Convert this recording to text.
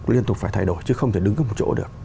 liên tục phải thay đổi chứ không thể đứng ở một chỗ được